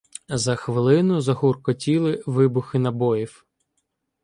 За хвилину загуркотіли вибухи набоїв.